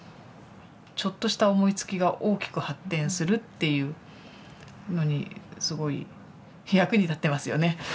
ちょっとした思いつきが大きく発展するっていうのにすごい役に立ってますよね。